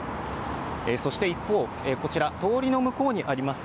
そして一方、こちら、通りの向こうにあります